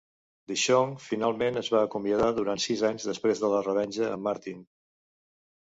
DeShong finalment es va acomiadar durant sis anys després de la revenja amb Martin.